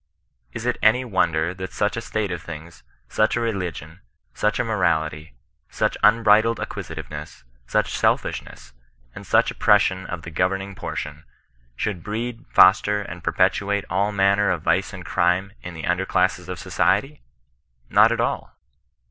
Is it any wonder that such a state of things, such a religion, such a morality, such un bridled acquisitiveness, such selfishness, and such op pression of the governing portion, should breed, fost^^ and perpetuate all manner of vice and crime in the uty der clasps of society ? Not at all.